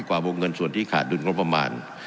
กว่าวงเงินส่วนที่ขาดดุลงบประมาณ